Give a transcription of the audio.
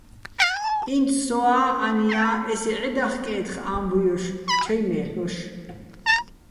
ინც სოა́ ანია́ ესე ჺედახკე́თხ ა́მბუჲ ჲოშ, ჩაჲ მე́ლ'ოშ.